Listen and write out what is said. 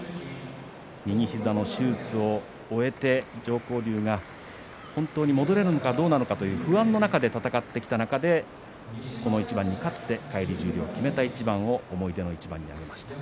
右膝の手術を終えて常幸龍が本当に戻れるかどうか不安の中で戦ってきた中でこの一番に勝って返り十両を決めた一番を思い出の一番として挙げました。